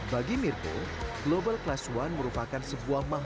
bagi mirko global class one merupakan sebuah manfaat